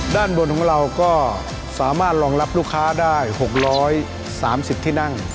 ด้านบนของเราก็สามารถรองรับลูกค้าได้๖๓๐ที่นั่ง